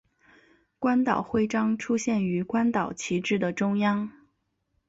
关岛徽章出现于关岛旗帜的中央。